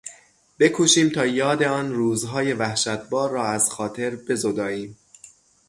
بکوشیم تا یاد آن روزهای وحشتبار را از خاطر بزداییم.